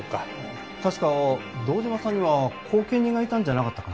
確か堂島さんには後見人がいたんじゃなかったかな。